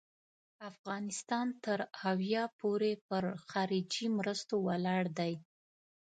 افغانستان تر اویا پوري پر خارجي مرستو ولاړ دی.